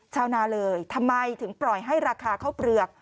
ชาวนาเลยทำไมถึงปล่อยให้ราคาข้าวเปลือก